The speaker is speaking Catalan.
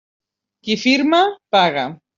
Qui firma, paga.